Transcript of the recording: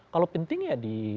kalau penting ya di